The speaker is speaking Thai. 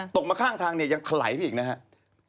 ตกมาข้างทางยังไขลไปอีกนะครับ